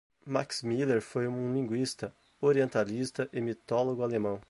Max Müller foi um linguista, orientalista e mitólogo alemão.